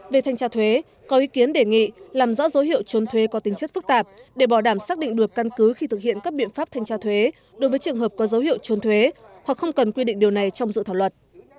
về thanh tra thuế có ý kiến đề nghị làm rõ dấu hiệu trốn thuế có tính chất phức tạp để bảo đảm xác định được căn cứ khi thực hiện các biện pháp thanh tra thuế đối với trường hợp có dấu hiệu trốn thuế hoặc không cần quy định điều này trong dự thảo luật